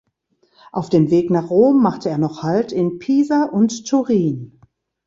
Auf dem Weg nach Rom machte er noch Halt in Pisa und Turin.